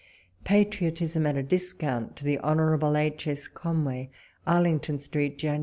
PATIilOTISM AT A DISCOUNT. To THE Hon. H. S. Conway. Arlington Street, Jan.